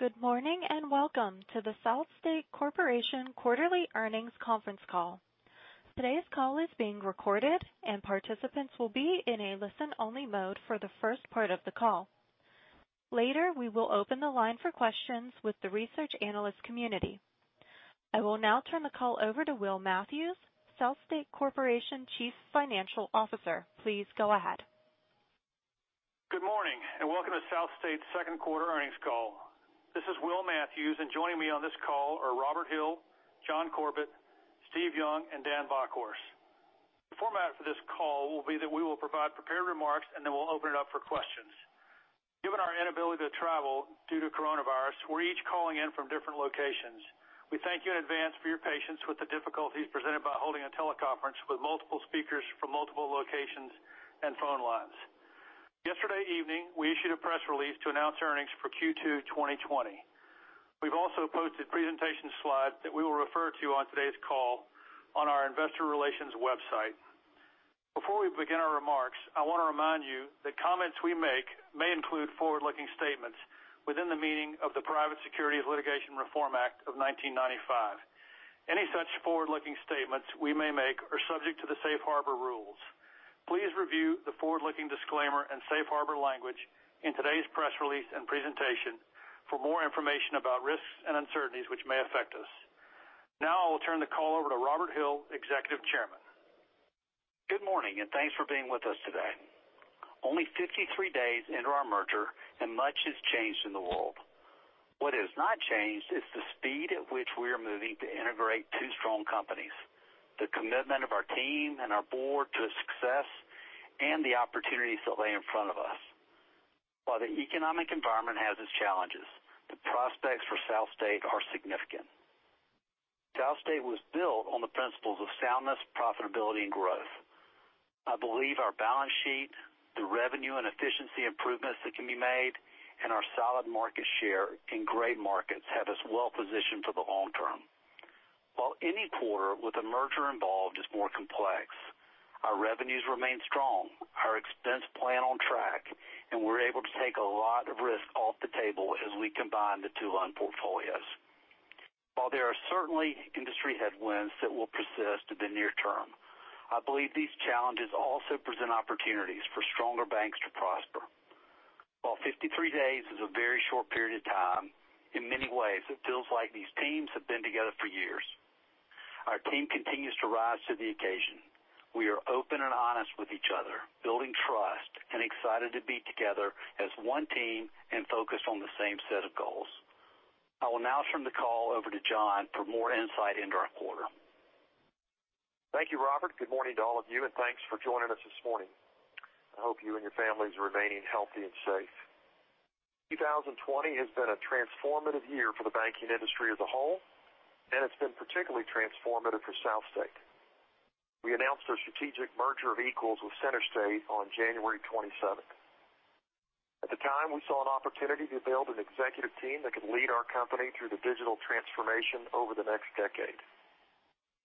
Good morning, and welcome to the SouthState Corporation quarterly earnings conference call. Today's call is being recorded, and participants will be in a listen-only mode for the first part of the call. Later, we will open the line for questions with the research analyst community. I will now turn the call over to Will Matthews, SouthState Corporation Chief Financial Officer. Please go ahead. Good morning. Welcome to SouthState's second quarter earnings call. This is Will Matthews, and joining me on this call are Robert Hill, John Corbett, Steve Young, and Dan Bockhorst. The format for this call will be that we will provide prepared remarks, and then we'll open it up for questions. Given our inability to travel due to coronavirus, we're each calling in from different locations. We thank you in advance for your patience with the difficulties presented by holding a teleconference with multiple speakers from multiple locations and phone lines. Yesterday evening, we issued a press release to announce earnings for Q2 2020. We've also posted presentation slides that we will refer to on today's call on our investor relations website. Before we begin our remarks, I want to remind you that comments we make may include forward-looking statements within the meaning of the Private Securities Litigation Reform Act of 1995. Any such forward-looking statements we may make are subject to the safe harbor rules. Please review the forward-looking disclaimer and safe harbor language in today's press release and presentation for more information about risks and uncertainties which may affect us. Now, I will turn the call over to Robert Hill, Executive Chairman. Good morning, and thanks for being with us today. Only 53 days into our merger and much has changed in the world. What has not changed is the speed at which we are moving to integrate two strong companies, the commitment of our team and our Board to success, and the opportunities that lay in front of us. While the economic environment has its challenges, the prospects for SouthState are significant. SouthState was built on the principles of soundness, profitability, and growth. I believe our balance sheet, the revenue and efficiency improvements that can be made, and our solid market share in great markets have us well positioned for the long term. While any quarter with a merger involved is more complex, our revenues remain strong, our expense plan on track, and we're able to take a lot of risk off the table as we combine the two loan portfolios. While there are certainly industry headwinds that will persist in the near term, I believe these challenges also present opportunities for stronger banks to prosper. While 53 days is a very short period of time, in many ways, it feels like these teams have been together for years. Our team continues to rise to the occasion. We are open and honest with each other, building trust, and excited to be together as one team and focused on the same set of goals. I will now turn the call over to John for more insight into our quarter. Thank you, Robert. Good morning to all of you, and thanks for joining us this morning. I hope you and your families are remaining healthy and safe. 2020 has been a transformative year for the banking industry as a whole, and it's been particularly transformative for SouthState. We announced our strategic merger of equals with CenterState on January 27th. At the time, we saw an opportunity to build an executive team that could lead our company through the digital transformation over the next decade.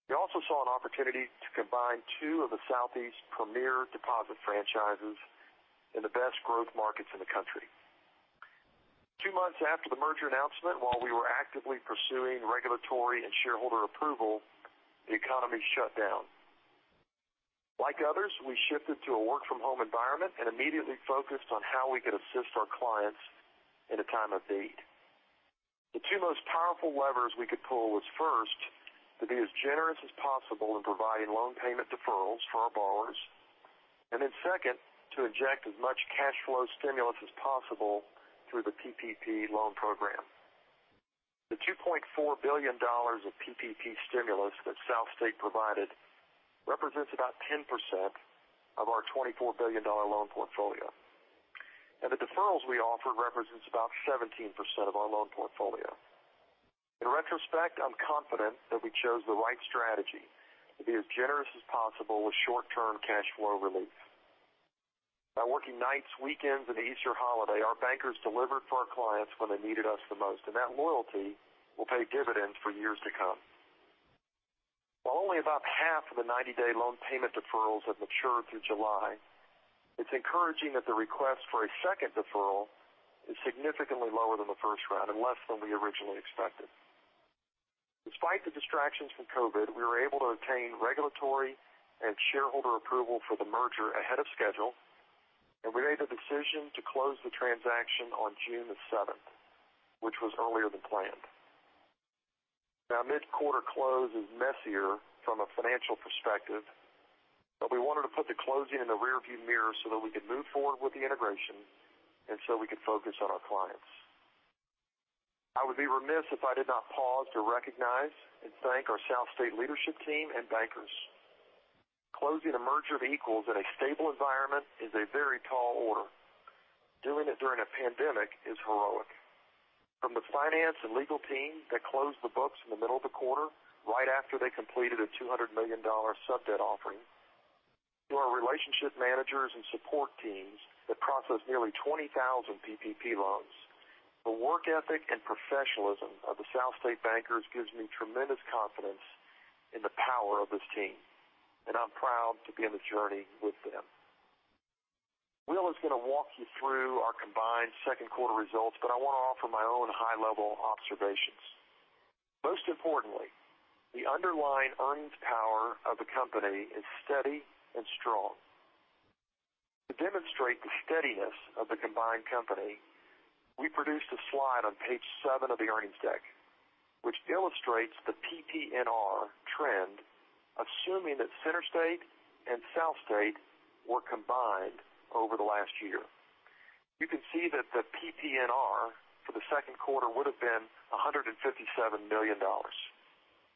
We also saw an opportunity to combine two of the Southeast premier deposit franchises in the best growth markets in the country. Two months after the merger announcement, while we were actively pursuing regulatory and shareholder approval, the economy shut down. Like others, we shifted to a work-from-home environment and immediately focused on how we could assist our clients in a time of need. The two most powerful levers we could pull was first, to be as generous as possible in providing loan payment deferrals for our borrowers, then second, to inject as much cash flow stimulus as possible through the PPP loan program. The $2.4 billion of PPP stimulus that SouthState provided represents about 10% of our $24 billion loan portfolio. The deferrals we offered represents about 17% of our loan portfolio. In retrospect, I'm confident that we chose the right strategy to be as generous as possible with short-term cash flow relief. By working nights, weekends, and the Easter holiday, our bankers delivered for our clients when they needed us the most, and that loyalty will pay dividends for years to come. While only about half of the 90-day loan payment deferrals have matured through July, it's encouraging that the request for a second deferral is significantly lower than the first round and less than we originally expected. Despite the distractions from COVID, we were able to obtain regulatory and shareholder approval for the merger ahead of schedule, and we made the decision to close the transaction on June the 7th, which was earlier than planned. Now, mid-quarter close is messier from a financial perspective, but we wanted to put the closing in the rearview mirror so that we could move forward with the integration and so we could focus on our clients. I would be remiss if I did not pause to recognize and thank our SouthState leadership team and bankers. Closing a merger of equals in a stable environment is a very tall order. Doing it during a pandemic is heroic. From the finance and legal team that closed the books in the middle of the quarter right after they completed a $200 million sub debt offering to our relationship managers and support teams that processed nearly 20,000 PPP loans, the work ethic and professionalism of the SouthState bankers gives me tremendous confidence in the power of this team, and I'm proud to be on the journey with them. Will is going to walk you through our combined second quarter results, but I want to offer my own high-level observations. Most importantly, the underlying earnings power of the company is steady and strong. To demonstrate the steadiness of the combined company, we produced a slide on page seven of the earnings deck, which illustrates the PPNR trend, assuming that CenterState and SouthState were combined over the last year. You can see that the PPNR for the second quarter would've been $157 million,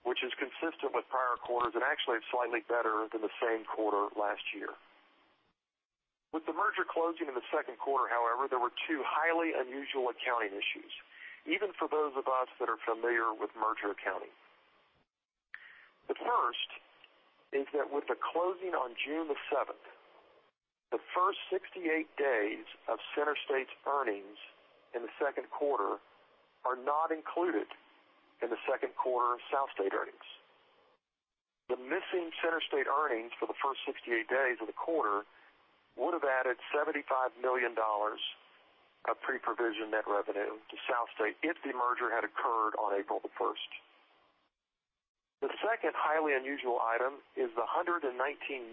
which is consistent with prior quarters, and actually it's slightly better than the same quarter last year. With the merger closing in the second quarter, however, there were two highly unusual accounting issues, even for those of us that are familiar with merger accounting. The first is that with the closing on June the 7th, the first 68 days of CenterState's earnings in the second quarter are not included in the second quarter of SouthState earnings. The missing CenterState earnings for the first 68 days of the quarter would have added $75 million of pre-provision net revenue to SouthState if the merger had occurred on April the 1st. The second highly unusual item is the $119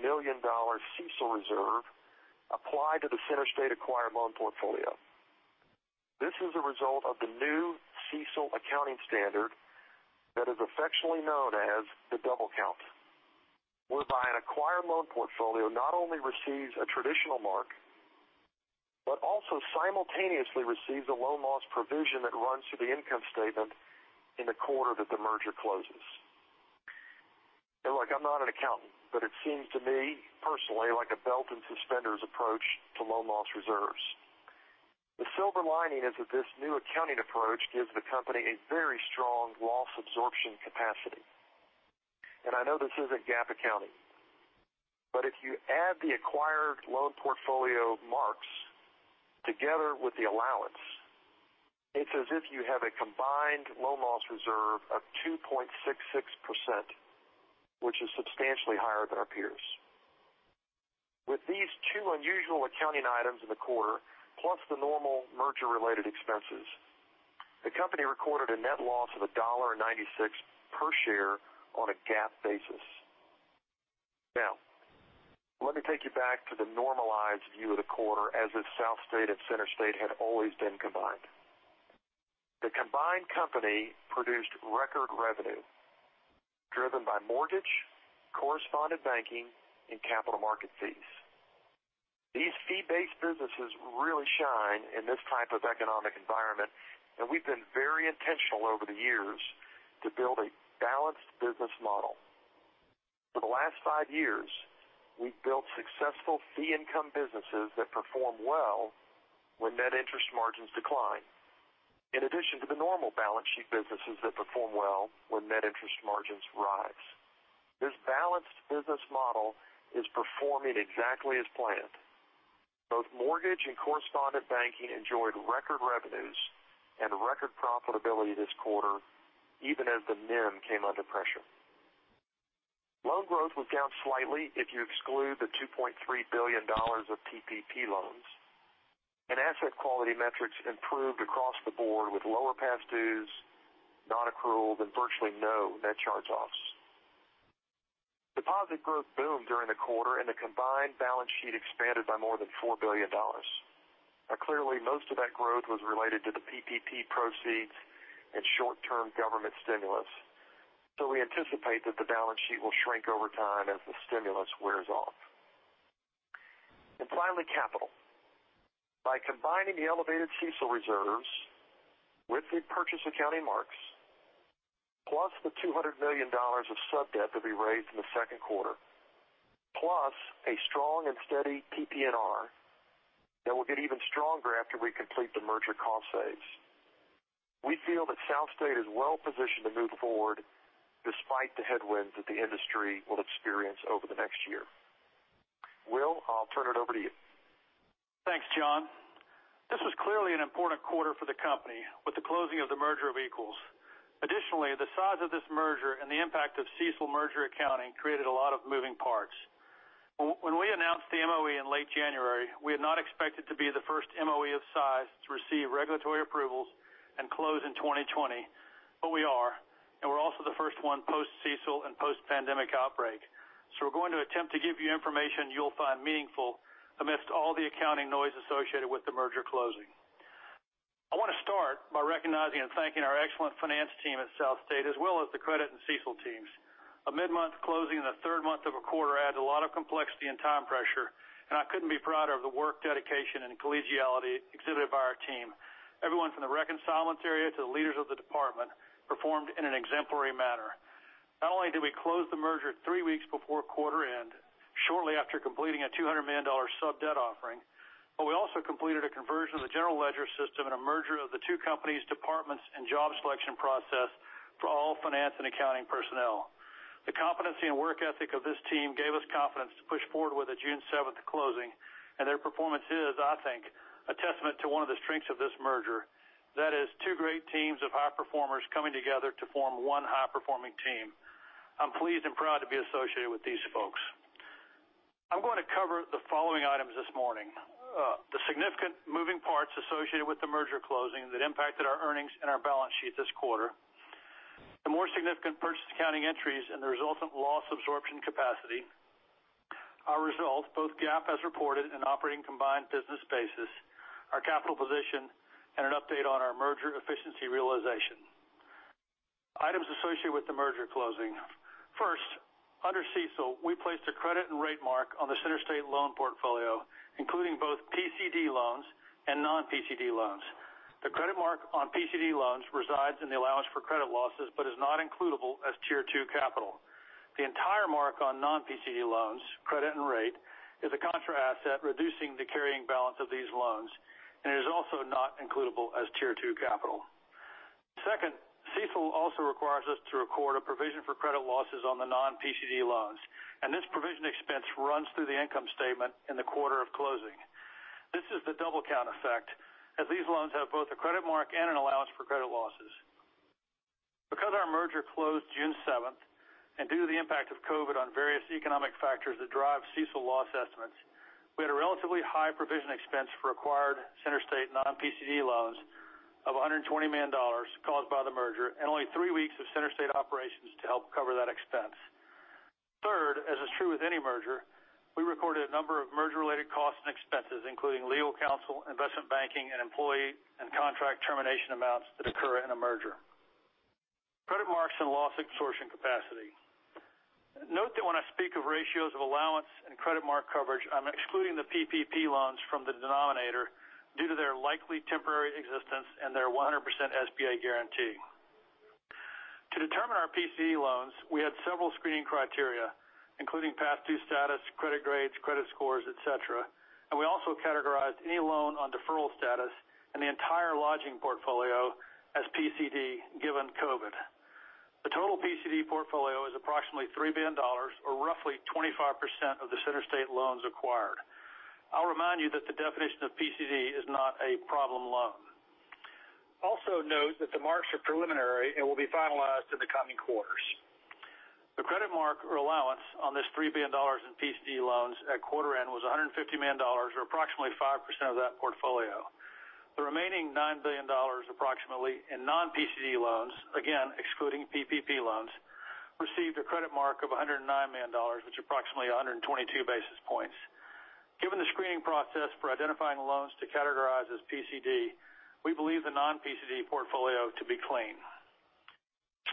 million CECL reserve applied to the CenterState acquired loan portfolio. This is a result of the new CECL accounting standard that is affectionately known as the double count, whereby an acquired loan portfolio not only receives a traditional mark, but also simultaneously receives a loan loss provision that runs through the income statement in the quarter that the merger closes. Look, I'm not an accountant, but it seems to me, personally, like a belt and suspenders approach to loan loss reserves. The silver lining is that this new accounting approach gives the company a very strong loss absorption capacity. I know this isn't GAAP accounting, but if you add the acquired loan portfolio marks together with the allowance, it's as if you have a combined loan loss reserve of 2.66%, which is substantially higher than our peers. With these two unusual accounting items in the quarter, plus the normal merger related expenses, the company recorded a net loss of $1.96 per share on a GAAP basis. Now, let me take you back to the normalized view of the quarter as if SouthState and CenterState had always been combined. The combined company produced record revenue driven by mortgage, correspondent banking, and capital market fees. These fee-based businesses really shine in this type of economic environment, and we've been very intentional over the years to build a balanced business model. For the last five years, we've built successful fee income businesses that perform well when net interest margins decline. In addition to the normal balance sheet businesses that perform well when net interest margins rise. This balanced business model is performing exactly as planned. Both mortgage and correspondent banking enjoyed record revenues and record profitability this quarter, even as the NIM came under pressure. Loan growth was down slightly if you exclude the $2.3 billion of PPP loans, and asset quality metrics improved across the board with lower past dues, non-accrual, then virtually no net charge-offs. Deposit growth boomed during the quarter, and the combined balance sheet expanded by more than $4 billion. Clearly, most of that growth was related to the PPP proceeds and short-term government stimulus. We anticipate that the balance sheet will shrink over time as the stimulus wears off. Finally, capital. By combining the elevated CECL reserves with the purchase accounting marks, plus the $200 million of sub-debt that we raised in the second quarter, plus a strong and steady PPNR that will get even stronger after we complete the merger cost saves. We feel that SouthState is well positioned to move forward despite the headwinds that the industry will experience over the next year. Will, I'll turn it over to you. Thanks, John. This was clearly an important quarter for the company with the closing of the merger of equals. Additionally, the size of this merger and the impact of CECL merger accounting created a lot of moving parts. When we announced the MOE in late January, we had not expected to be the first MOE of size to receive regulatory approvals and close in 2020, but we are, and we're also the first one post-CECL and post-pandemic outbreak. We're going to attempt to give you information you'll find meaningful amidst all the accounting noise associated with the merger closing. I want to start by recognizing and thanking our excellent finance team at SouthState, as well as the credit and CECL teams. A mid-month closing in the third month of a quarter adds a lot of complexity and time pressure, and I couldn't be prouder of the work dedication and collegiality exhibited by our team. Everyone from the reconciliation area to the leaders of the department performed in an exemplary manner. Not only did we close the merger three weeks before quarter end, shortly after completing a $200 million sub debt offering, but we also completed a conversion of the general ledger system and a merger of the two companies' departments and job selection process for all finance and accounting personnel. The competency and work ethic of this team gave us confidence to push forward with a June 7th closing, and their performance is, I think, a testament to one of the strengths of this merger. That is two great teams of high performers coming together to form one high-performing team. I'm pleased and proud to be associated with these folks. I'm going to cover the following items this morning. The significant moving parts associated with the merger closing that impacted our earnings and our balance sheet this quarter, the more significant purchase accounting entries and the resultant loss absorption capacity, our results, both GAAP as reported and operating combined business basis, our capital position, and an update on our merger efficiency realization. Items associated with the merger closing. First, under CECL, we placed a credit and rate mark on the CenterState loan portfolio, including both PCD loans and non-PCD loans. The credit mark on PCD loans resides in the allowance for credit losses but is not includable as Tier 2 capital. The entire mark on non-PCD loans, credit and rate, is a contra asset reducing the carrying balance of these loans and is also not includable as Tier two capital. Second, CECL also requires us to record a provision for credit losses on the non-PCD loans, and this provision expense runs through the income statement in the quarter of closing. This is the double count effect, as these loans have both a credit mark and an allowance for credit losses. Because our merger closed June 7th, and due to the impact of COVID on various economic factors that drive CECL loss estimates, we had a relatively high provision expense for acquired CenterState non-PCD loans of $120 million caused by the merger and only three weeks of CenterState operations to help cover that expense. Third, as is true with any merger, we recorded a number of merger-related costs and expenses, including legal counsel, investment banking, and employee and contract termination amounts that occur in a merger. Credit marks and loss absorption capacity. Note that when I speak of ratios of allowance and credit mark coverage, I'm excluding the PPP loans from the denominator due to their likely temporary existence and their 100% SBA guarantee. To determine our PCD loans, we had several screening criteria, including past due status, credit grades, credit scores, et cetera. We also categorized any loan on deferral status and the entire lodging portfolio as PCD, given COVID. The total PCD portfolio is approximately $3 billion, or roughly 25% of the CenterState loans acquired. I'll remind you that the definition of PCD is not a problem loan. Also note that the marks are preliminary and will be finalized in the coming quarters. The credit mark or allowance on this $3 billion in PCD loans at quarter end was $150 million, or approximately 5% of that portfolio. The remaining $9 billion approximately in non-PCD loans, again, excluding PPP loans, received a credit mark of $109 million, which is approximately 122 basis points. Given the screening process for identifying loans to categorize as PCD, we believe the non-PCD portfolio to be clean.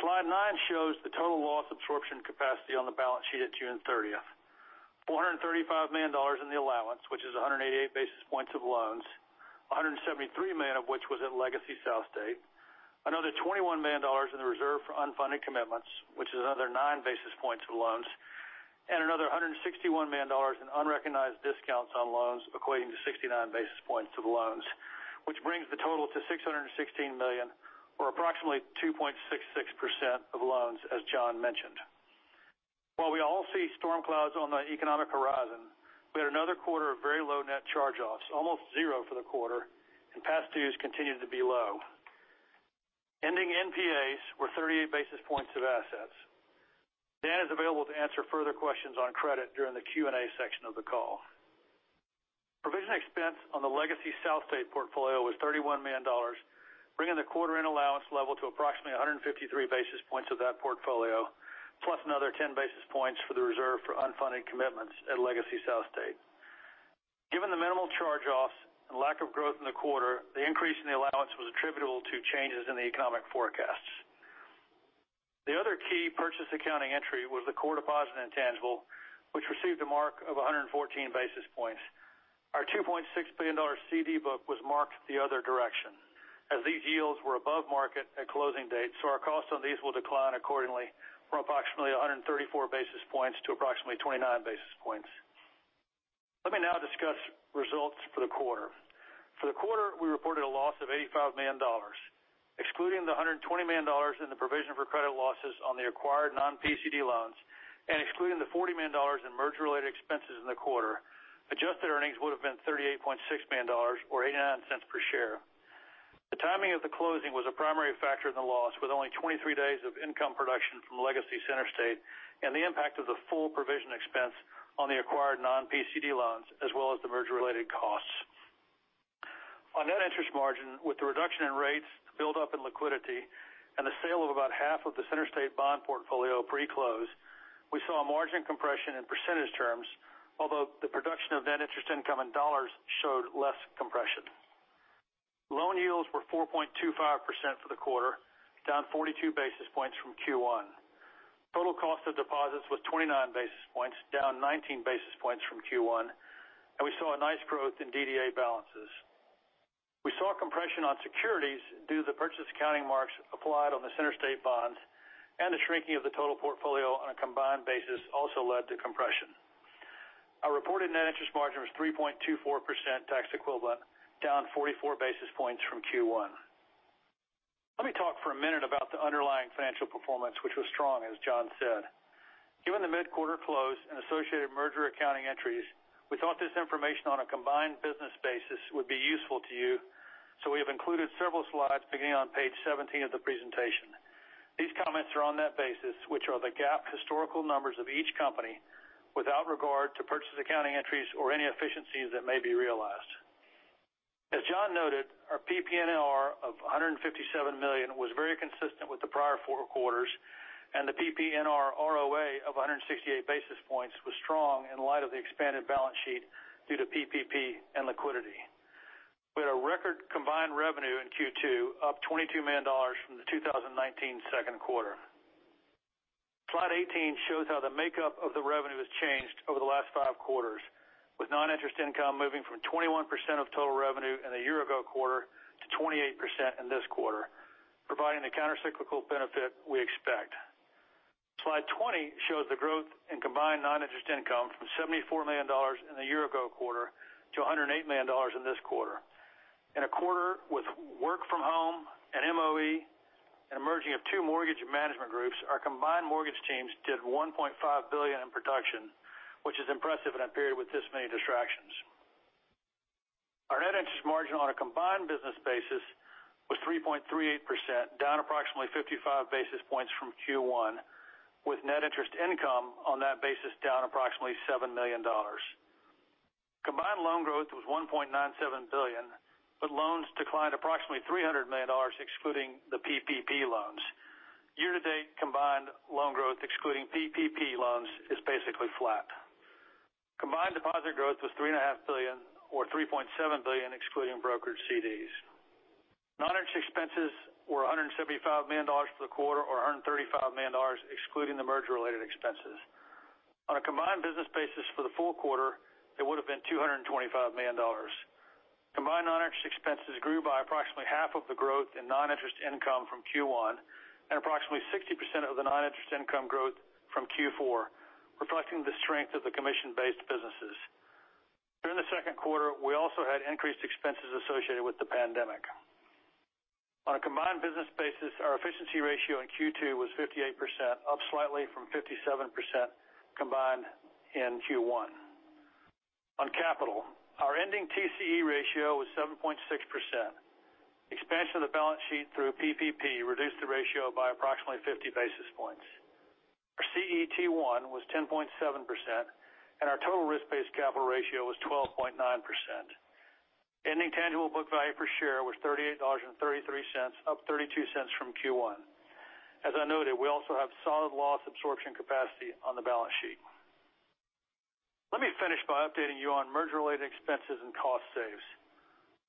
Slide nine shows the total loss absorption capacity on the balance sheet at June 30th, $435 million in the allowance, which is 188 basis points of loans, $173 million of which was at legacy SouthState, another $21 million in the reserve for unfunded commitments, which is another 9 basis points of loans, and another $161 million in unrecognized discounts on loans equating to 69 basis points of loans, which brings the total to $616 million or approximately 2.66% of loans, as John mentioned. While we all see storm clouds on the economic horizon, we had another quarter of very low net charge-offs, almost zero for the quarter, and past dues continued to be low. Ending NPAs were 38 basis points of assets. Dan is available to answer further questions on credit during the Q&A section of the call. Provision expense on the legacy SouthState portfolio was $31 million, bringing the quarter-end allowance level to approximately 153 basis points of that portfolio, plus another 10 basis points for the reserve for unfunded commitments at legacy SouthState. Given the minimal charge-offs and lack of growth in the quarter, the increase in the allowance was attributable to changes in the economic forecasts. The other key purchase accounting entry was the core deposit intangible, which received a mark of 114 basis points. Our $2.6 billion CD book was marked the other direction, as these yields were above market at closing date, so our cost on these will decline accordingly from approximately 134 basis points to approximately 29 basis points. Let me now discuss results for the quarter. For the quarter, we reported a loss of $85 million. Excluding the $120 million in the provision for credit losses on the acquired non-PCD loans and excluding the $40 million in merger-related expenses in the quarter, adjusted earnings would have been $38.6 million or $0.89 per share. The timing of the closing was a primary factor in the loss, with only 23 days of income production from legacy CenterState and the impact of the full provision expense on the acquired non-PCD loans, as well as the merger-related costs. On net interest margin, with the reduction in rates, the buildup in liquidity, and the sale of about half of the CenterState bond portfolio pre-close, we saw a margin compression in percentage terms, although the production of net interest income in dollars showed less compression. Loan yields were 4.25% for the quarter, down 42 basis points from Q1. Total cost of deposits was 29 basis points, down 19 basis points from Q1, we saw a nice growth in DDA balances. We saw compression on securities due to the purchase accounting marks applied on the CenterState bonds, the shrinking of the total portfolio on a combined basis also led to compression. Our reported net interest margin was 3.24% tax equivalent, down 44 basis points from Q1. Let me talk for a minute about the underlying financial performance, which was strong, as John said. Given the mid-quarter close and associated merger accounting entries, we thought this information on a combined business basis would be useful to you. We have included several slides beginning on page 17 of the presentation. These comments are on that basis, which are the GAAP historical numbers of each company without regard to purchase accounting entries or any efficiencies that may be realized. As John noted, our PPNR of $157 million was very consistent with the prior four quarters, and the PPNR ROA of 168 basis points was strong in light of the expanded balance sheet due to PPP and liquidity. We had a record combined revenue in Q2, up $22 million from the 2019 second quarter. Slide 18 shows how the makeup of the revenue has changed over the last five quarters, with non-interest income moving from 21% of total revenue in the year-ago quarter to 28% in this quarter, providing the countercyclical benefit we expect. Slide 20 shows the growth in combined non-interest income from $74 million in the year-ago quarter to $108 million in this quarter. In a quarter with work-from-home, an MOE, and a merging of two mortgage management groups, our combined mortgage teams did $1.5 billion in production, which is impressive in a period with this many distractions. Our net interest margin on a combined business basis was 3.38%, down approximately 55 basis points from Q1, with net interest income on that basis down approximately $7 million. Combined loan growth was $1.97 billion, but loans declined approximately $300 million excluding the PPP loans. Year-to-date combined loan growth excluding PPP loans is basically flat. Combined deposit growth was $3.5 billion, or $3.7 billion excluding brokered CDs. Non-interest expenses were $175 million for the quarter, or $135 million excluding the merger-related expenses. On a combined business basis for the full quarter, it would've been $225 million. Combined non-interest expenses grew by approximately half of the growth in non-interest income from Q1 and approximately 60% of the non-interest income growth from Q4, reflecting the strength of the commission-based businesses. During the second quarter, we also had increased expenses associated with the pandemic. On a combined business basis, our efficiency ratio in Q2 was 58%, up slightly from 57% combined in Q1. On capital, our ending TCE ratio was 7.6%. Expansion of the balance sheet through PPP reduced the ratio by approximately 50 basis points. Our CET1 was 10.7%, and our total risk-based capital ratio was 12.9%. Ending tangible book value per share was $38.33, up $0.32 from Q1. As I noted, we also have solid loss absorption capacity on the balance sheet. Let me finish by updating you on merger-related expenses and cost saves.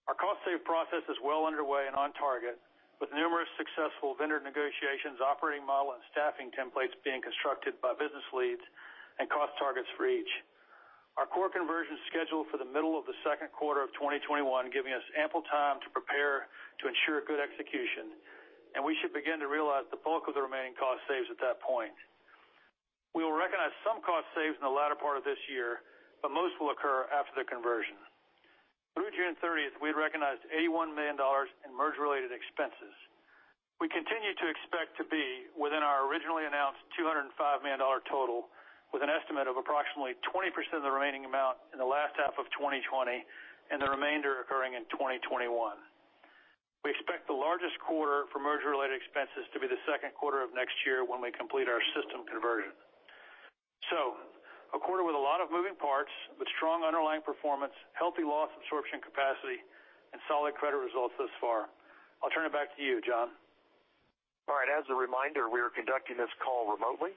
Our cost save process is well underway and on target, with numerous successful vendor negotiations, operating model, and staffing templates being constructed by business leads and cost targets for each. Our core conversion is scheduled for the middle of the second quarter of 2021, giving us ample time to prepare to ensure good execution, and we should begin to realize the bulk of the remaining cost saves at that point. We will recognize some cost saves in the latter part of this year, but most will occur after the conversion. Through June 30th, we had recognized $81 million in merger-related expenses. We continue to expect to be within our originally announced $205 million total, with an estimate of approximately 20% of the remaining amount in the last half of 2020 and the remainder occurring in 2021. We expect the largest quarter for merger-related expenses to be the second quarter of next year when we complete our system conversion. A quarter with a lot of moving parts but strong underlying performance, healthy loss absorption capacity, and solid credit results thus far. I'll turn it back to you, John. All right. As a reminder, we are conducting this call remotely,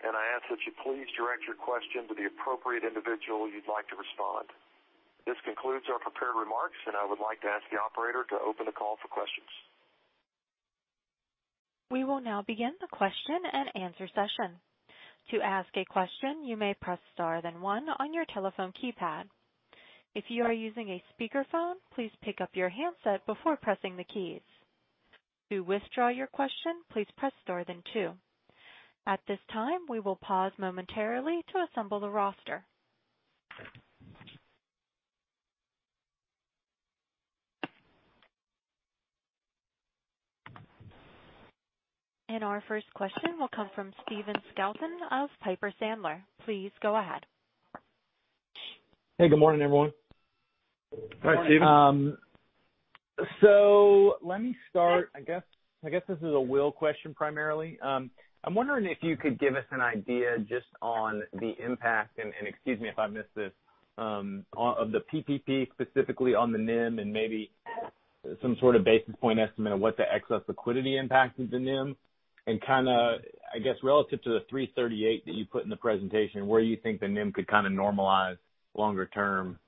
and I ask that you please direct your question to the appropriate individual you'd like to respond. This concludes our prepared remarks, and I would like to ask the operator to open the call for questions. We will now begin the question-and-answer session. To ask a question, you may press star then one on your telephone keypad. If you are using a speakerphone, please pick up your handset before pressing the keys. To withdraw your question, please press star then two. At this time, we will pause momentarily to assemble the roster. Our first question will come from Stephen Scouten of Piper Sandler. Please go ahead. Hey, good morning, everyone. Hi, Stephen. Let me start, I guess this is a Will question primarily. I'm wondering if you could give us an idea just on the impact, and excuse me if I missed this, of the PPP specifically on the NIM and maybe some sort of basis point estimate of what the excess liquidity impact to the NIM and kind of, I guess, relative to the 3.38% that you put in the presentation, where you think the NIM could kind of normalize longer term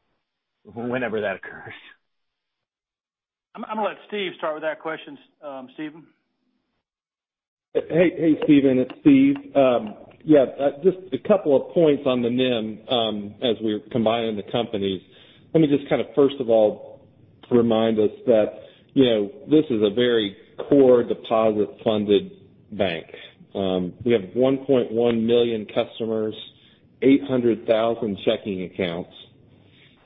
whenever that occurs. I'm going to let Steve start with that question, Stephen. Hey, Stephen. It's Steve. Just a couple of points on the NIM as we're combining the companies. Let me just kind of, first of all, to remind us that this is a very core deposit-funded bank. We have 1.1 million customers, 800,000 checking accounts.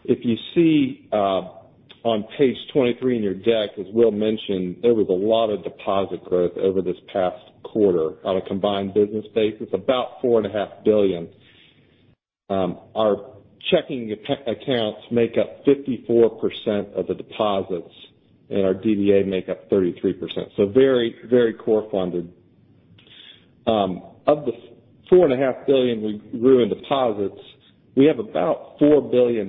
If you see on page 23 in your deck, as Will mentioned, there was a lot of deposit growth over this past quarter on a combined business basis, about $4.5 billion. Our checking accounts make up 54% of the deposits, our DDA make up 33%. Very, very core funded. Of the $4.5 billion we grew in deposits, we have about $4 billion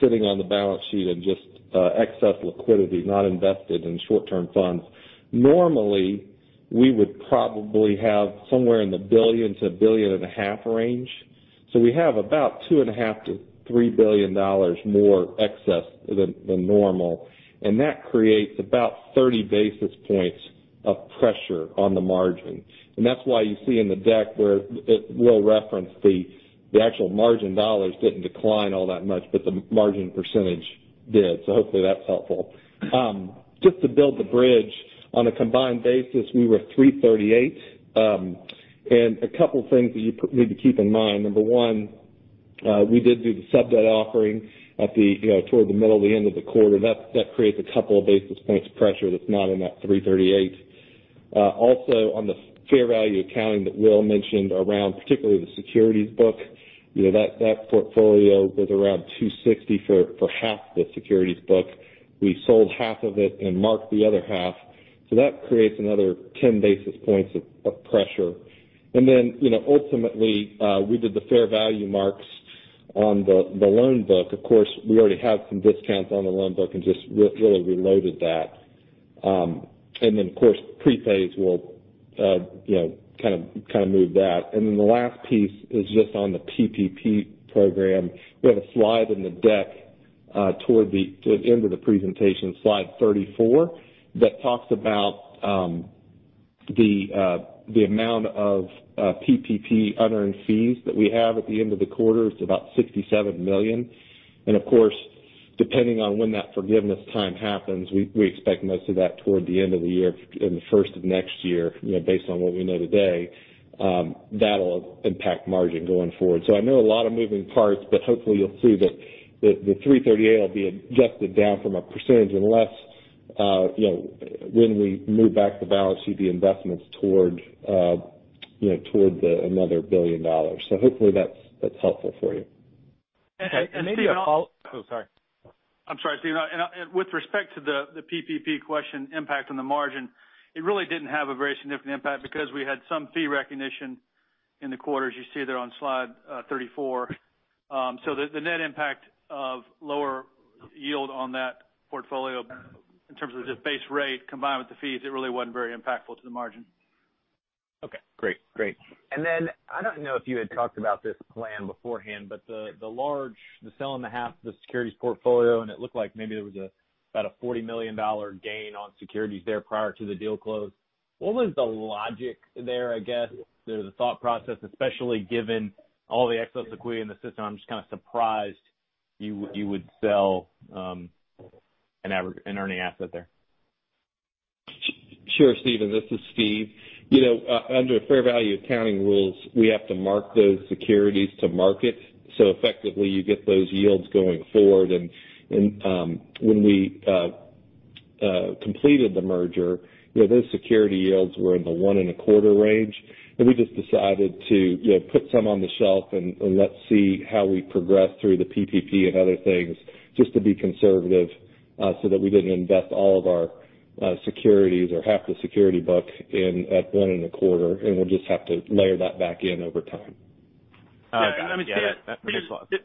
sitting on the balance sheet in just excess liquidity, not invested in short-term funds. Normally, we would probably have somewhere in the $1 billion-$1.5 billion range. We have about $2.5 billion-$3 billion more excess than normal, and that creates about 30 basis points of pressure on the margin. That's why you see in the deck where it will reference the actual margin dollars didn't decline all that much, but the margin percentage did. Hopefully, that's helpful. Just to build the bridge, on a combined basis, we were 3.38%. A couple things that you need to keep in mind. Number one, we did do the sub-debt offering toward the middle to the end of the quarter. That creates a couple of basis points of pressure that's not in that 3.38%. Also, on the fair value accounting that Will mentioned around particularly the securities book, that portfolio was around $260 for half the securities book. We sold half of it and marked the other half. That creates another 10 basis points of pressure. Then ultimately, we did the fair value marks on the loan book. Of course, we already had some discounts on the loan book and just really reloaded that. Of course, prepays will kind of move that. The last piece is just on the PPP program. We have a slide in the deck toward the end of the presentation, slide 34, that talks about the amount of PPP unearned fees that we have at the end of the quarter. It's about $67 million. Of course, depending on when that forgiveness time happens, we expect most of that toward the end of the year and the first of next year, based on what we know today. That'll impact margin going forward. I know a lot of moving parts, but hopefully you'll see that the 3.38% will be adjusted down from a percentage unless when we move back the balance sheet, the investment's toward another $1 billion. Hopefully, that's helpful for you. Maybe a follow-up. Oh, sorry. I'm sorry, Stephen. With respect to the PPP question impact on the margin, it really didn't have a very significant impact because we had some fee recognition in the quarter, as you see there on slide 34. The net impact of lower yield on that portfolio in terms of just base rate combined with the fees, it really wasn't very impactful to the margin. Okay, great. I don't know if you had talked about this plan beforehand, but selling the half the securities portfolio, and it looked like maybe there was about a $40 million gain on securities there prior to the deal close. What was the logic there, I guess? The thought process, especially given all the excess liquidity in the system, I'm just kind of surprised you would sell an earning asset there. Sure, Stephen, this is Steve. Under fair value accounting rules, we have to mark those securities to market. Effectively, you get those yields going forward. When we completed the merger, those security yields were in the 1.25% range. We just decided to put some on the shelf and let's see how we progress through the PPP and other things, just to be conservative so that we didn't invest all of our securities or half the security book in at 1.25%, and we'll just have to layer that back in over time. Got it. Yeah, that makes a lot of sense.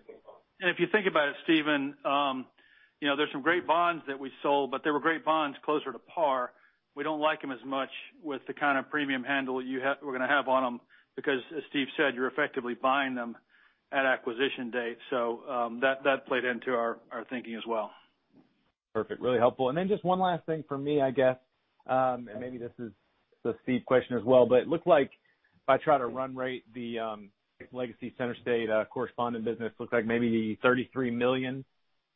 If you think about it, Stephen, there's some great bonds that we sold, but they were great bonds closer to par. We don't like them as much with the kind of premium handle we're going to have on them because as Steve said, you're effectively buying them at acquisition date. That played into our thinking as well. Perfect. Really helpful. Then just one last thing from me, I guess, and maybe this is the Steve question as well, but it looks like if I try to run rate the legacy CenterState correspondent business, looks like maybe $33 million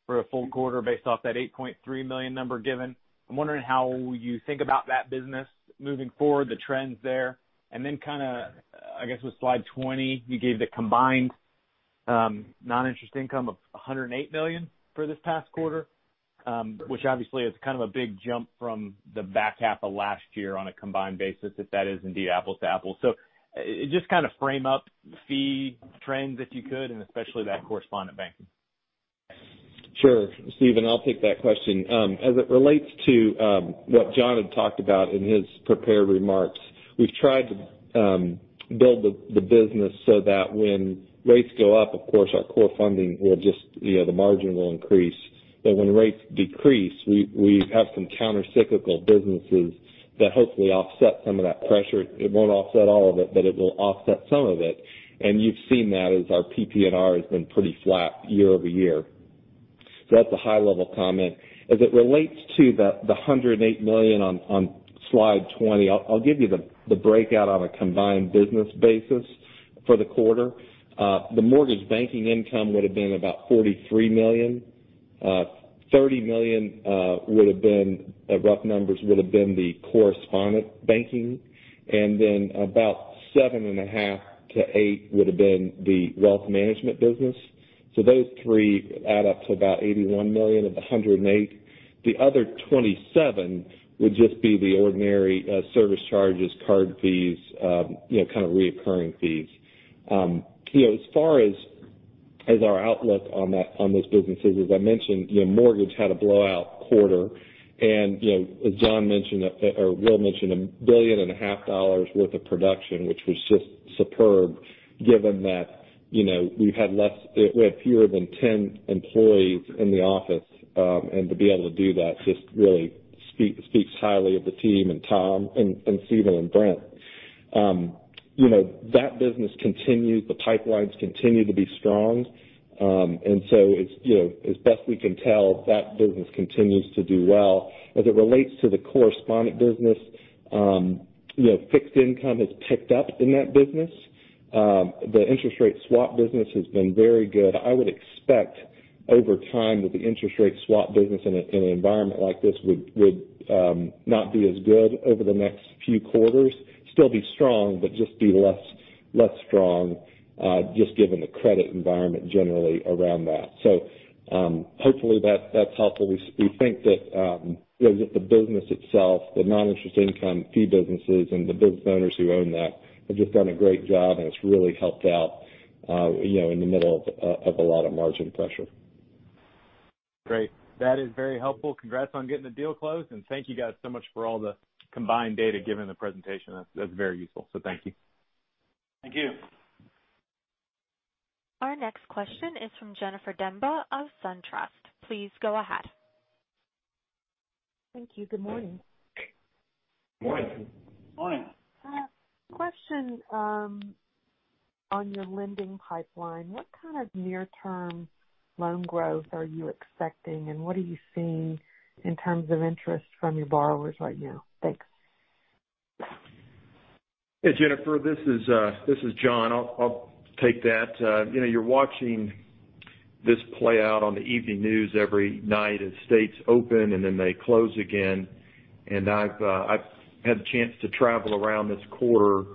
for a full quarter based off that $8.3 million number given. I'm wondering how you think about that business moving forward, the trends there? Then kind of, I guess with slide 20, you gave the combined non-interest income of $108 million for this past quarter which obviously is kind of a big jump from the back half of last year on a combined basis, if that is indeed apples to apples. Just kind of frame up fee trends, if you could, and especially that correspondent banking. Sure, Stephen, I'll take that question. As it relates to what John had talked about in his prepared remarks, we've tried to build the business so that when rates go up, of course, our core funding, the margin will increase. When rates decrease, we have some countercyclical businesses that hopefully offset some of that pressure. It won't offset all of it, but it will offset some of it. You've seen that as our PPNR has been pretty flat year-over-year. That's a high-level comment. As it relates to the $108 million on slide 20, I'll give you the breakout on a combined business basis for the quarter. The mortgage banking income would have been about $43 million. $30 million would have been, rough numbers, would have been the correspondent banking, and then about $7.5 million-$8 million would have been the wealth management business. Those three add up to about $81 million of the $108 million. The other $27 million would just be the ordinary service charges, card fees, recurring fees. As far as our outlook on those businesses, as I mentioned, mortgage had a blowout quarter. As John mentioned, or Will mentioned, a $1.5 billion worth of production, which was just superb given that we had fewer than 10 employees in the office. To be able to do that just really speaks highly of the team and Tom and Steven and Brent. That business continues. The pipelines continue to be strong. As best we can tell, that business continues to do well. As it relates to the correspondent business, fixed income has picked up in that business. The interest rate swap business has been very good. I would expect over time that the interest rate swap business in an environment like this would not be as good over the next few quarters. Still be strong, but just be less strong, just given the credit environment generally around that. Hopefully that's helpful. We think that the business itself, the non-interest income fee businesses and the business owners who own that have just done a great job, and it's really helped out in the middle of a lot of margin pressure. Great. That is very helpful. Congrats on getting the deal closed, and thank you guys so much for all the combined data given in the presentation. That's very useful. Thank you. Thank you. Our next question is from Jennifer Demba of SunTrust. Please go ahead. Thank you. Good morning. Morning. Morning. Question on your lending pipeline. What kind of near-term loan growth are you expecting? And what are you seeing in terms of interest from your borrowers right now? Thanks. Hey, Jennifer, this is John. I'll take that. You're watching this play out on the evening news every night as states open and then they close again. I've had the chance to travel around this quarter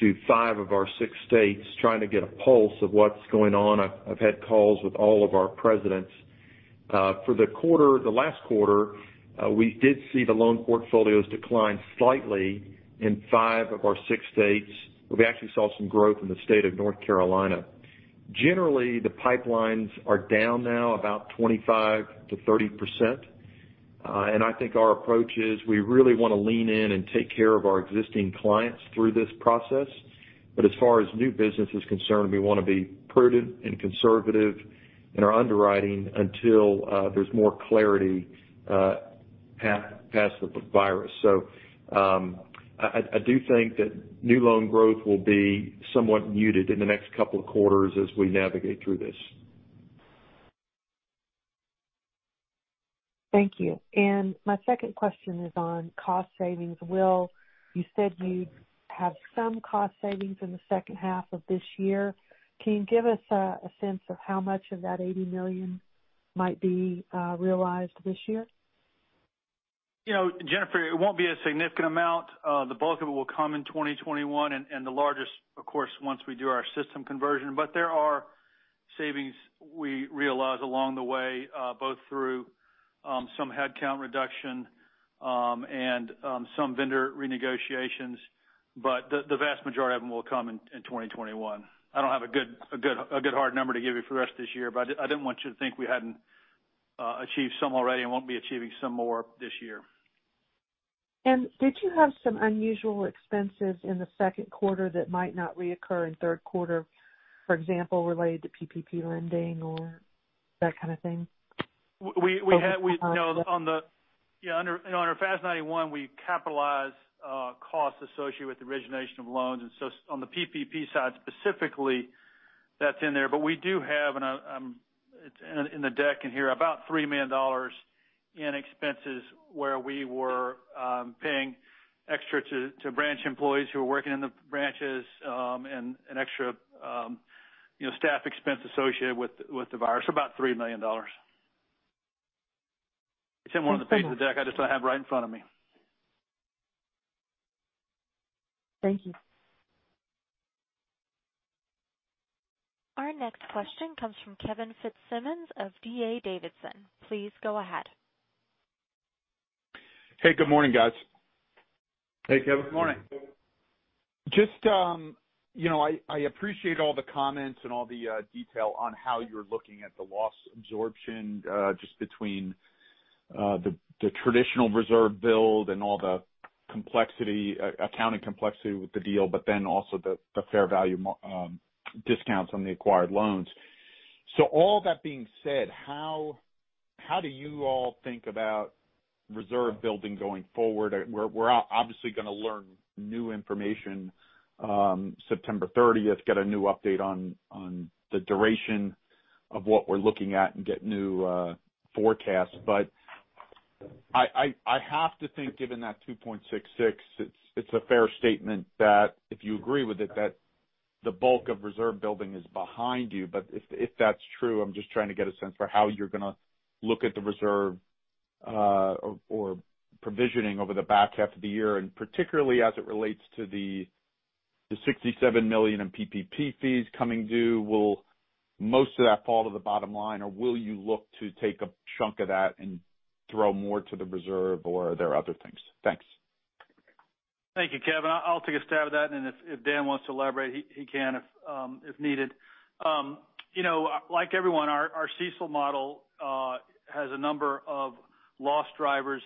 to five of our six states trying to get a pulse of what's going on. I've had calls with all of our presidents. For the quarter, the last quarter, we did see the loan portfolios decline slightly in five of our six states. We actually saw some growth in the state of North Carolina. Generally, the pipelines are down now about 25%-30%. I think our approach is we really want to lean in and take care of our existing clients through this process. As far as new business is concerned, we want to be prudent and conservative in our underwriting until there's more clarity past the virus. I do think that new loan growth will be somewhat muted in the next couple of quarters as we navigate through this. Thank you. My second question is on cost savings. Will, you said you have some cost savings in the second half of this year. Can you give us a sense of how much of that $80 million might be realized this year? Jennifer, it won't be a significant amount. The bulk of it will come in 2021, and the largest, of course, once we do our system conversion. There are savings we realize along the way both through some headcount reduction and some vendor renegotiations, but the vast majority of them will come in 2021. I don't have a good hard number to give you for the rest of this year, but I didn't want you to think we hadn't achieved some already and won't be achieving some more this year. Did you have some unusual expenses in the second quarter that might not reoccur in third quarter, for example, related to PPP lending or that kind of thing? Yeah. On our FAS 91, we capitalize costs associated with the origination of loans, on the PPP side specifically, that's in there. We do have, in the deck in here, about $3 million in expenses where we were paying extra to branch employees who were working in the branches and extra staff expense associated with the virus, about $3 million. It's in one of the pages of the deck. I just don't have it right in front of me. Thank you. Our next question comes from Kevin Fitzsimmons of D.A. Davidson. Please go ahead. Hey, good morning, guys. Hey, Kevin. Morning. Just, I appreciate all the comments and all the detail on how you're looking at the loss absorption just between the traditional reserve build and all the accounting complexity with the deal, but then also the fair value discounts on the acquired loans. All that being said, how do you all think about reserve building going forward? We're obviously going to learn new information September 30th, get a new update on the duration of what we're looking at and get new forecasts. I have to think, given that 2.66%, it's a fair statement that if you agree with it, that the bulk of reserve building is behind you. If that's true, I'm just trying to get a sense for how you're going to look at the reserve or provisioning over the back half of the year, and particularly as it relates to the $67 million in PPP fees coming due. Will most of that fall to the bottom line? Or will you look to take a chunk of that and throw more to the reserve? Or are there other things? Thanks. Thank you, Kevin. I'll take a stab at that, and if Dan wants to elaborate, he can if needed. Like everyone, our CECL model has a number of loss drivers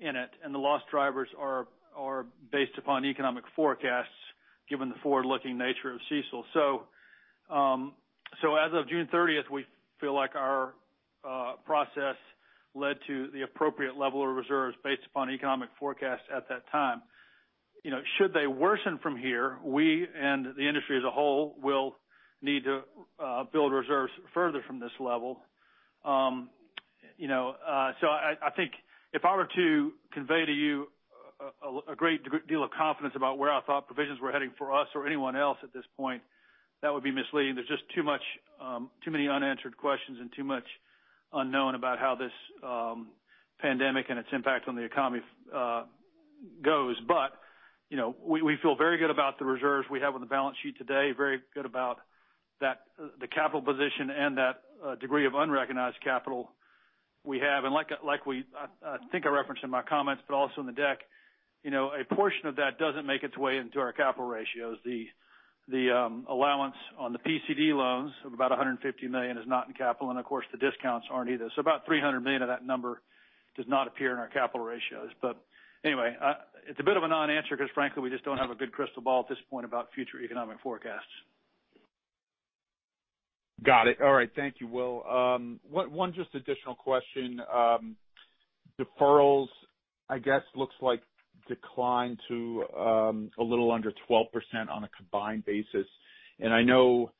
in it, and the loss drivers are based upon economic forecasts given the forward-looking nature of CECL. As of June 30th, we feel like our process led to the appropriate level of reserves based upon economic forecasts at that time. Should they worsen from here, we and the industry as a whole will need to build reserves further from this level. I think if I were to convey to you a great deal of confidence about where I thought provisions were heading for us or anyone else at this point, that would be misleading. There's just too many unanswered questions and too much unknown about how this pandemic and its impact on the economy goes. We feel very good about the reserves we have on the balance sheet today, very good about the capital position and that degree of unrecognized capital we have. I think I referenced in my comments, but also in the deck, a portion of that doesn't make its way into our capital ratios. The allowance on the PCD loans of about $150 million is not in capital, and of course, the discounts aren't either. About $300 million of that number does not appear in our capital ratios. Anyway, it's a bit of a non-answer because frankly, we just don't have a good crystal ball at this point about future economic forecasts. Got it. All right. Thank you, Will. One just additional question. Deferrals, I guess, looks like decline to a little under 12% on a combined basis. I know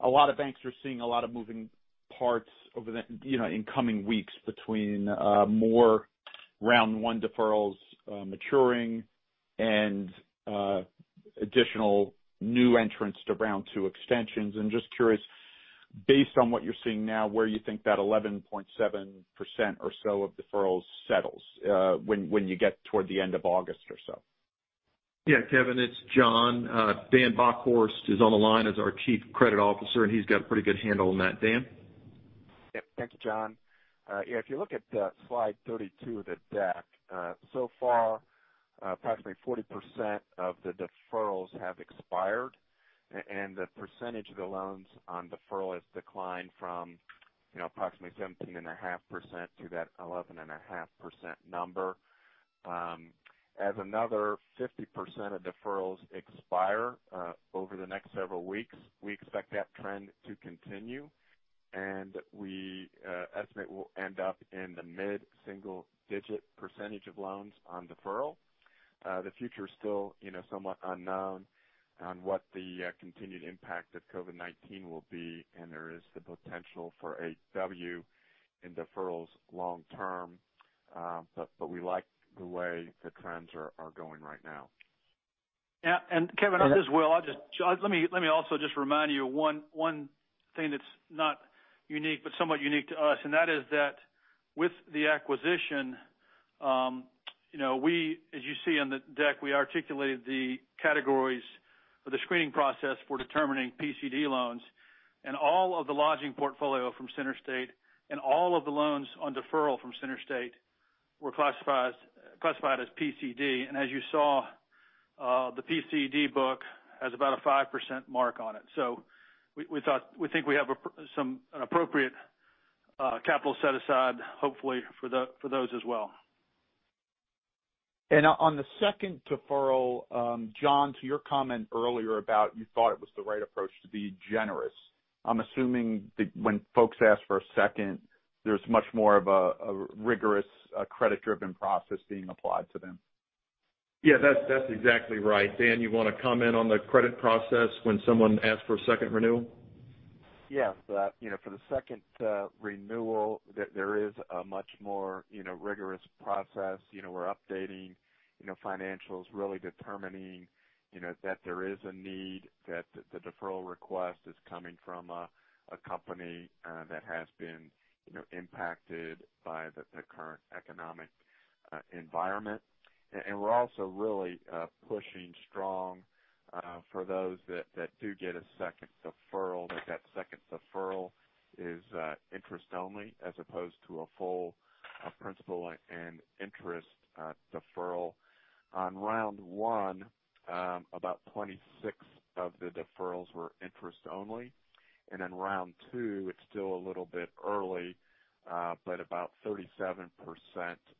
a lot of banks are seeing a lot of moving parts in coming weeks between more round one deferrals maturing and additional new entrants to round two extensions. I'm just curious, based on what you're seeing now, where you think that 11.7% or so of deferrals settles when you get toward the end of August or so. Yeah, Kevin, it's John. Dan Bockhorst is on the line as our Chief Credit Officer, and he's got a pretty good handle on that. Dan? Yep. Thank you, John. If you look at slide 32 of the deck, so far, approximately 40% of the deferrals have expired, and the percentage of the loans on deferral has declined from approximately 17.5% to that 11.5% number. As another 50% of deferrals expire over the next several weeks, we expect that trend to continue, and we estimate we'll end up in the mid-single digit percentage of loans on deferral. The future is still somewhat unknown on what the continued impact of COVID-19 will be, and there is the potential for a W in deferrals long term. We like the way the trends are going right now. Yeah, Kevin, this is Will. Let me also just remind you of one thing that's not unique but somewhat unique to us, and that is that with the acquisition, as you see on the deck, we articulated the categories of the screening process for determining PCD loans. All of the lodging portfolio from CenterState and all of the loans on deferral from CenterState were classified as PCD. As you saw, the PCD book has about a 5% mark on it. We think we have an appropriate capital set aside, hopefully, for those as well. On the second deferral, John, to your comment earlier about you thought it was the right approach to be generous. I'm assuming that when folks ask for a second, there's much more of a rigorous credit-driven process being applied to them. Yeah, that's exactly right. Dan, you want to comment on the credit process when someone asks for a second renewal? Yeah. For the second renewal, there is a much more rigorous process. We're updating financials, really determining that there is a need, that the deferral request is coming from a company that has been impacted by the current economic environment. We're also really pushing strong for those that do get a second deferral, that that second deferral is interest only as opposed to a full principal and interest deferral. On round one, about 26% of the deferrals were interest only. In round two, it's still a little bit early, but about 37%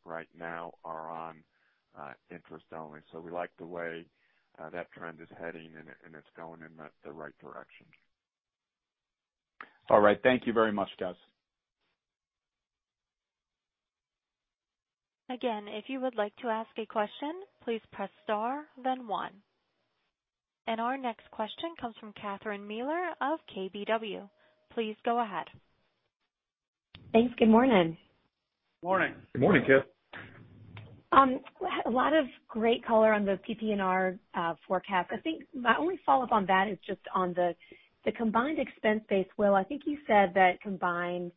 right now are on interest only. We like the way that trend is heading, and it's going in the right direction. All right. Thank you very much, guys. Again, if you would like to ask a question, please press star then one. Our next question comes from Catherine Mealor of KBW. Please go ahead. Thanks. Good morning. Morning. Good morning, Cath. A lot of great color on the PPNR forecast. I think my only follow-up on that is just on the combined expense base. Will, I think you said that combined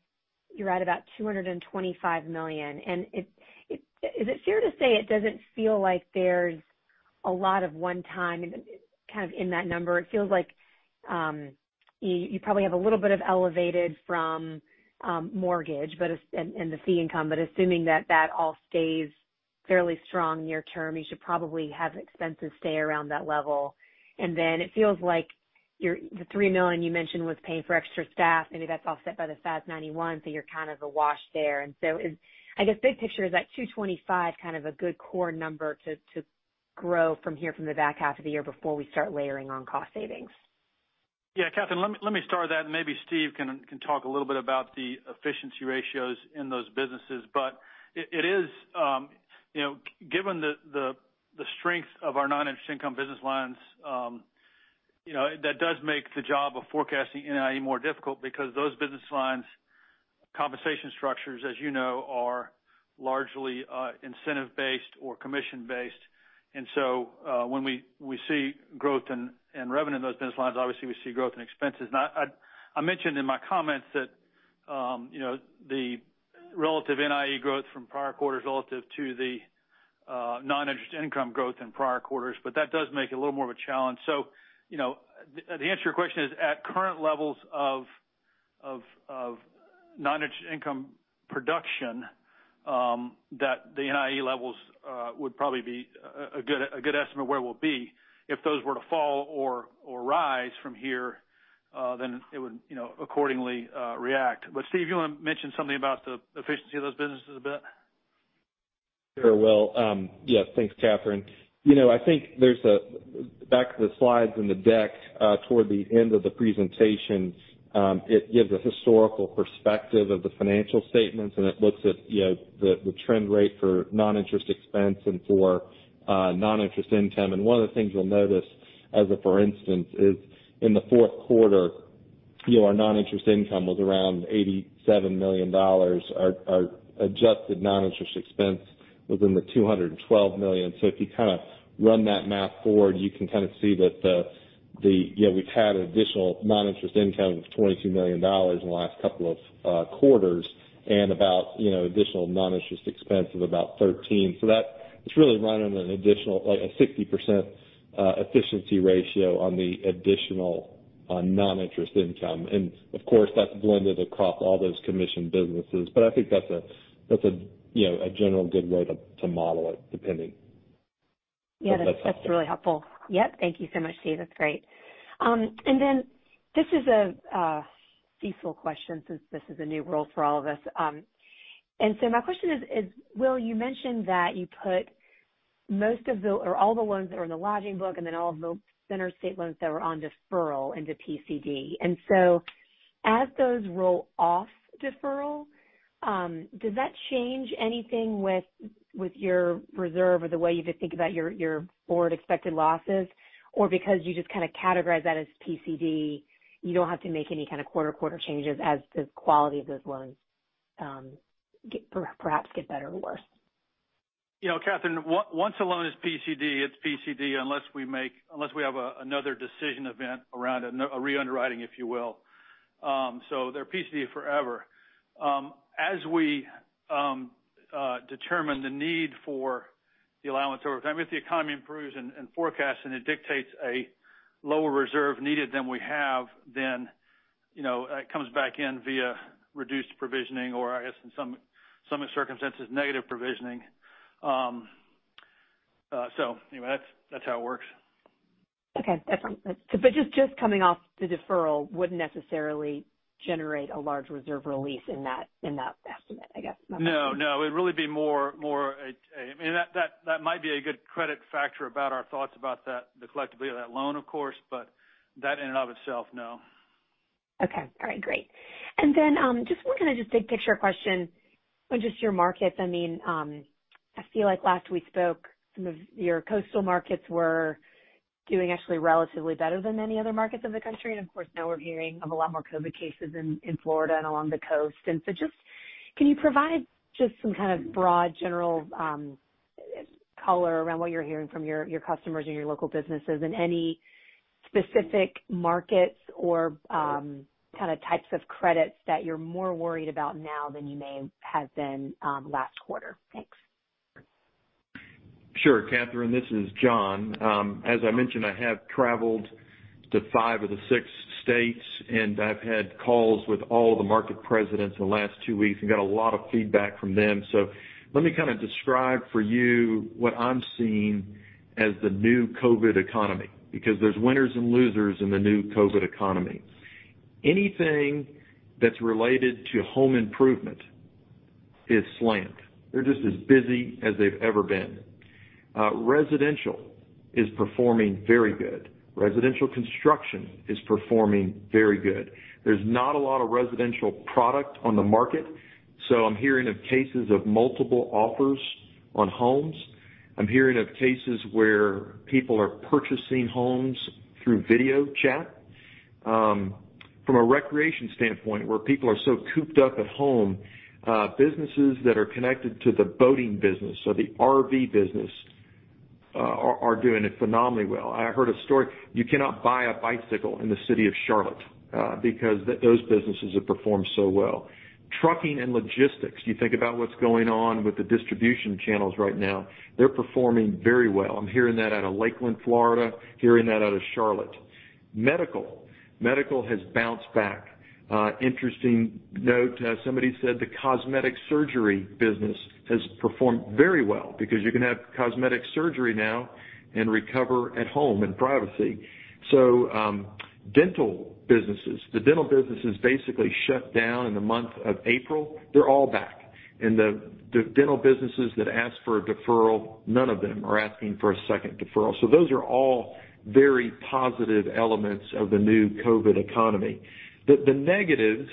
you're at about $225 million, is it fair to say it doesn't feel like there's a lot of one-time kind of in that number? It feels like you probably have a little bit of elevated from mortgage and the fee income, assuming that that all stays fairly strong near term, you should probably have expenses stay around that level. It feels like the $3 million you mentioned was paying for extra staff. Maybe that's offset by the FAS 91, you're kind of awash there. I guess big picture, is that $225 kind of a good core number to grow from here from the back half of the year before we start layering on cost savings? Yeah, Catherine, let me start that, and maybe Steve can talk a little bit about the efficiency ratios in those businesses. Given the strength of our non-interest income business lines, that does make the job of forecasting NIE more difficult because those business lines' compensation structures, as you know, are largely incentive-based or commission-based. When we see growth in revenue in those business lines, obviously we see growth in expenses. Now, I mentioned in my comments that the relative NIE growth from prior quarters relative to the non-interest income growth in prior quarters, but that does make it a little more of a challenge. The answer to your question is at current levels of non-interest income production, that the NIE levels would probably be a good estimate of where we'll be. If those were to fall or rise from here, it would accordingly react. Steve, you want to mention something about the efficiency of those businesses a bit? Sure, Will. Yeah. Thanks, Catherine. I think there's a back of the slides in the deck toward the end of the presentation. It gives a historical perspective of the financial statements, and it looks at the trend rate for non-interest expense and for non-interest income. One of the things you'll notice as a for instance is in the fourth quarter, our non-interest income was around $87 million. Our adjusted non-interest expense was in the $212 million. If you kind of run that math forward, you can kind of see that we've had additional non-interest income of $22 million in the last couple of quarters and about additional non-interest expense of about $13 million. That is really running an additional 60% efficiency ratio on the additional non-interest income. Of course, that's blended across all those commission businesses. I think that's a general good way to model it, depending. Yeah, that's really helpful. Yep. Thank you so much, Steve. That's great. Then this is a CECL question, since this is a new role for all of us. My question is, Will, you mentioned that you put most of the, or all the ones that were in the lodging book, and then all of the CenterState loans that were on deferral into PCD. As those roll off deferral, does that change anything with your reserve or the way you just think about your forward expected losses? Because you just kind of categorize that as PCD, you don't have to make any kind of quarter changes as the quality of those loans perhaps get better or worse? Catherine, once a loan is PCD, it's PCD unless we have another decision event around a re-underwriting, if you will. They're PCD forever. As we determine the need for the allowance over time, if the economy improves and forecasts, and it dictates a lower reserve needed than we have, then it comes back in via reduced provisioning or I guess in some circumstances, negative provisioning. Anyway, that's how it works. Okay, that's fine. Just coming off the deferral wouldn't necessarily generate a large reserve release in that estimate, I guess? No, no. That might be a good credit factor about our thoughts about the collectability of that loan, of course, but that in and of itself, no. Okay. All right, great. Just one kind of big picture question on just your markets. I feel like last we spoke, some of your coastal markets were doing actually relatively better than many other markets in the country. Of course, now we're hearing of a lot more COVID cases in Florida and along the coast. Just, can you provide just some kind of broad, general color around what you're hearing from your customers and your local businesses in any specific markets or kind of types of credits that you're more worried about now than you may have been last quarter? Thanks. Sure, Catherine. This is John. As I mentioned, I have traveled to five of the six states, and I've had calls with all the market presidents in the last two weeks and got a lot of feedback from them. Let me kind of describe for you what I'm seeing as the new COVID economy, because there's winners and losers in the new COVID economy. Anything that's related to home improvement is slammed. They're just as busy as they've ever been. Residential is performing very good. Residential construction is performing very good. There's not a lot of residential product on the market, so I'm hearing of cases of multiple offers. On homes. I'm hearing of cases where people are purchasing homes through video chat. From a recreation standpoint, where people are so cooped up at home, businesses that are connected to the boating business or the RV business are doing it phenomenally well. I heard a story, you cannot buy a bicycle in the city of Charlotte because those businesses have performed so well. Trucking and logistics, you think about what's going on with the distribution channels right now, they're performing very well. I'm hearing that out of Lakeland, Florida, hearing that out of Charlotte. Medical. Medical has bounced back. Interesting note, somebody said the cosmetic surgery business has performed very well because you can have cosmetic surgery now and recover at home in privacy. Dental businesses. The dental businesses basically shut down in the month of April. They're all back. The dental businesses that asked for a deferral, none of them are asking for a second deferral. Those are all very positive elements of the new COVID economy. The negatives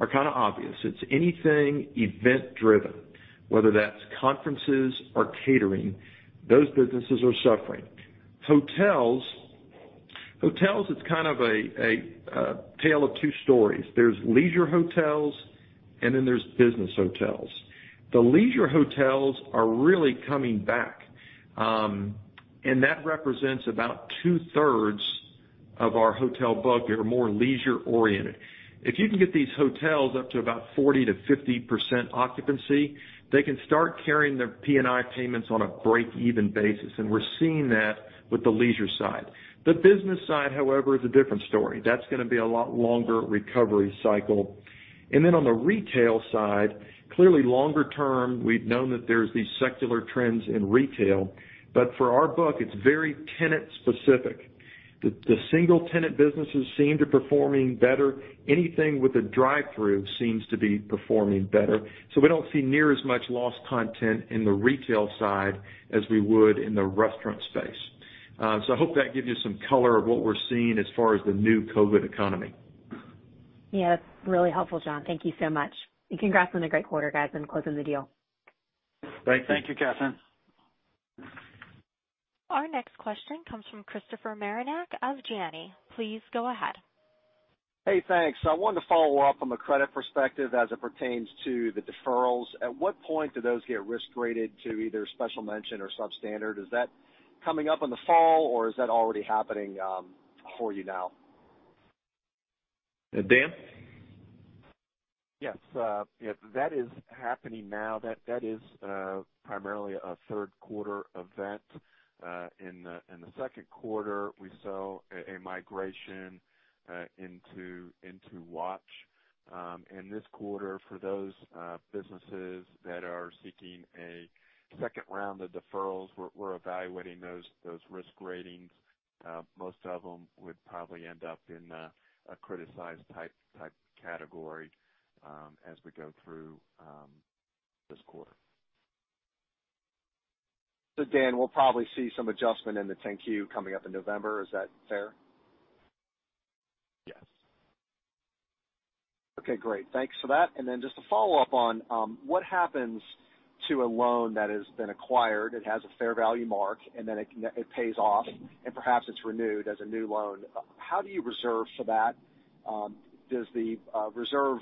are kind of obvious. It's anything event-driven, whether that's conferences or catering, those businesses are suffering. Hotels, it's kind of a tale of two stories. There's leisure hotels and then there's business hotels. The leisure hotels are really coming back, and that represents about two-thirds of our hotel book are more leisure-oriented. If you can get these hotels up to about 40%-50% occupancy, they can start carrying their P&I payments on a break-even basis, and we're seeing that with the leisure side. The business side, however, is a different story. That's going to be a lot longer recovery cycle. Then on the retail side, clearly longer term, we've known that there's these secular trends in retail. For our book, it's very tenant-specific. The single-tenant businesses seem to performing better. Anything with a drive-through seems to be performing better. We don't see near as much loss content in the retail side as we would in the restaurant space. I hope that gives you some color of what we're seeing as far as the new COVID economy. Yeah, really helpful, John. Thank you so much. Congrats on the great quarter, guys, and closing the deal. Thank you. Thank you, Catherine. Our next question comes from Christopher Marinac of Janney. Please go ahead. Hey, thanks. I wanted to follow up from a credit perspective as it pertains to the deferrals. At what point do those get risk-rated to either special mention or substandard? Is that coming up in the fall, or is that already happening for you now? Dan? Yes. That is happening now. That is primarily a third quarter event. In the second quarter, we saw a migration into watch. In this quarter, for those businesses that are seeking a second round of deferrals, we're evaluating those risk ratings. Most of them would probably end up in a criticized-type category as we go through this quarter. Dan, we'll probably see some adjustment in the 10-Q coming up in November. Is that fair? Yes. Okay, great. Thanks for that. Just to follow up on, what happens to a loan that has been acquired, it has a fair value mark, and then it pays off, and perhaps it's renewed as a new loan. How do you reserve for that? Does the reserve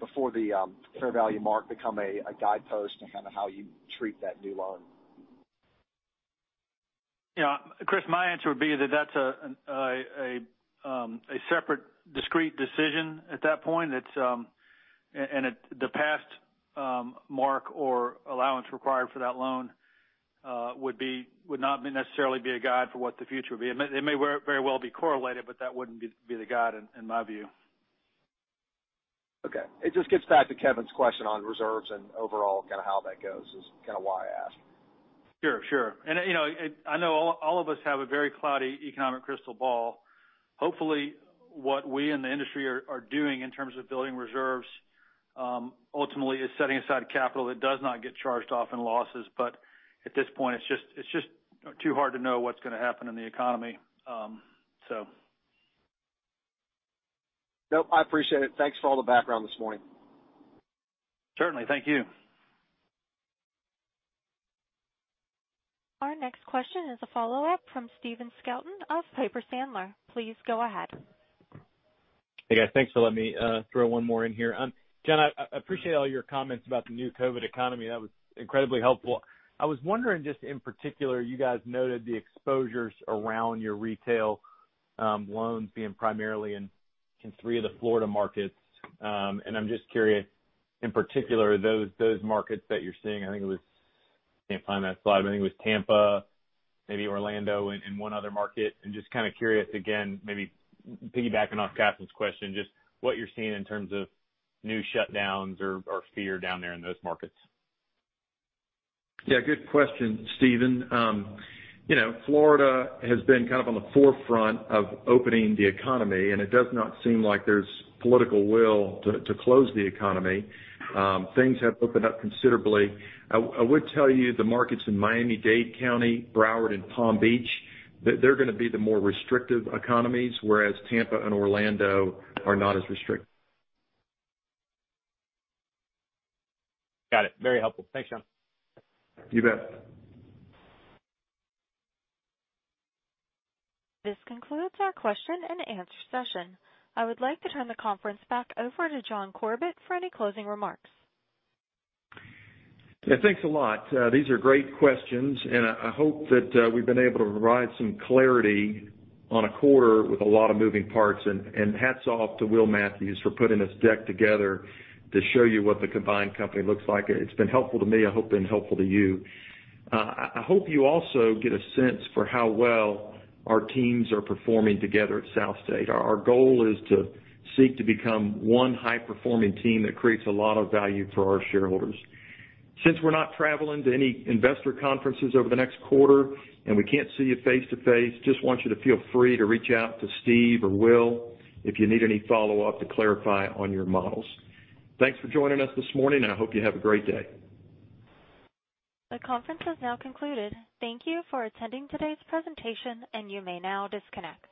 before the fair value mark become a guidepost in kind of how you treat that new loan? Yeah. Chris, my answer would be that that's a separate discrete decision at that point. The past mark or allowance required for that loan would not necessarily be a guide for what the future would be. It may very well be correlated, but that wouldn't be the guide in my view. Okay. It just gets back to Kevin's question on reserves and overall kind of how that goes is kind of why I asked. Sure. Sure. I know all of us have a very cloudy economic crystal ball. Hopefully, what we in the industry are doing in terms of building reserves ultimately is setting aside capital that does not get charged off in losses. At this point, it's just too hard to know what's going to happen in the economy. Nope, I appreciate it. Thanks for all the background this morning. Certainly. Thank you. Our next question is a follow-up from Stephen Scouten of Piper Sandler. Please go ahead. Hey, guys. Thanks for letting me throw one more in here. John, I appreciate all your comments about the new COVID economy. That was incredibly helpful. I was wondering just in particular, you guys noted the exposures around your retail loans being primarily in three of the Florida markets. I'm just curious, in particular, those markets that you're seeing, I can't find that slide, but I think it was Tampa, maybe Orlando, and one other market. Just kind of curious again, maybe piggybacking off Catherine's question, just what you're seeing in terms of new shutdowns or fear down there in those markets. Yeah, good question, Stephen. Florida has been kind of on the forefront of opening the economy, and it does not seem like there's political will to close the economy. Things have opened up considerably. I would tell you, the markets in Miami-Dade County, Broward, and Palm Beach, they're going to be the more restrictive economies, whereas Tampa and Orlando are not as restrictive. Got it. Very helpful. Thanks, John. You bet. This concludes our question-and-answer session. I would like to turn the conference back over to John Corbett for any closing remarks. Yeah, thanks a lot. These are great questions, and I hope that we've been able to provide some clarity on a quarter with a lot of moving parts. Hats off to Will Matthews for putting this deck together to show you what the combined company looks like. It's been helpful to me. I hope it's been helpful to you. I hope you also get a sense for how well our teams are performing together at SouthState. Our goal is to seek to become one high-performing team that creates a lot of value for our shareholders. Since we're not traveling to any investor conferences over the next quarter and we can't see you face-to-face, just want you to feel free to reach out to Steve or Will if you need any follow-up to clarify on your models. Thanks for joining us this morning, and I hope you have a great day. The conference has now concluded. Thank you for attending today's presentation, and you may now disconnect.